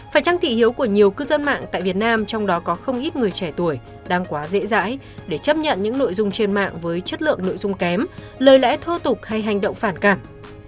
phải trang thị hiếu của nhiều cư dân mạng tại việt nam trong đó có không ít người trẻ tuổi đang quá dễ dãi để chấp nhận những nội dung trên mạng với chất lượng nội dung kém lời lẽ thô tục hay hành động phản cảm